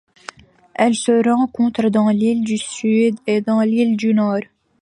Elle se rencontre dans l'île du Sud et dans l'île du Nord.